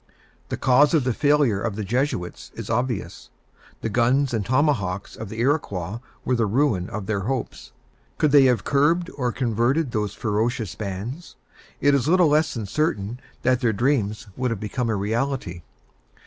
The cause of the failure of the Jesuits is obvious. The guns and tomahawks of the Iroquois were the ruin of their hopes. Could they have curbed or converted those ferocious bands, it is little less than certain that their dream would have become a reality.